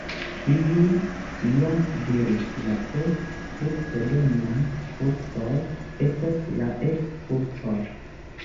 Iu iam diris: ”La plej fruktodonaj kursoj estas la ekskursoj”.